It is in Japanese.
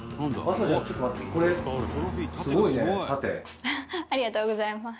ありがとうございます。